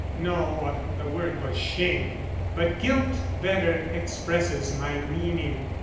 "No, the word was shame. But guilt better expresses my meaning.